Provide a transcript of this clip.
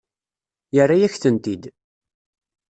Yerra-yak-tent-id.